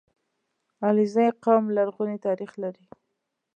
• علیزي قوم لرغونی تاریخ لري.